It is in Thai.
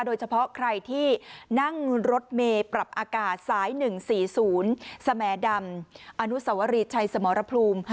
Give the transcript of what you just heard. โดยเฉพาะใครที่นั่งรถเมย์ปรับอากาศสาย๑๔๐สแหมดำอนุสวรีชัยสมรภูมิ